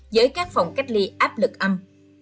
với các phòng cách ly áp lực âm